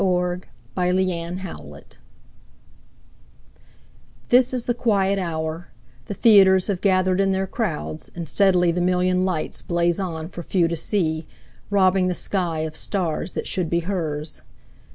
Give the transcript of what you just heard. Sara Teasdale Broadway THIS is the quiet hour; the theaters Have gathered in their crowds, and steadily The million lights blaze on for few to see, Robbing the sky of stars that should be hers.